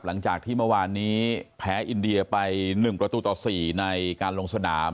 หลังจากที่เมื่อวานนี้แพ้อินเดียไป๑ประตูต่อ๔ในการลงสนาม